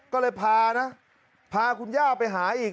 ก็เลยพานะพาคุณย่าไปหาอีก